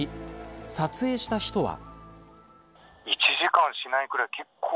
撮影した人は。